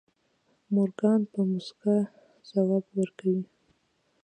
مورګان په موسکا ځواب ورکړ.